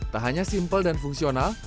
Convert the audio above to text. tak hanya simpel dan fungsional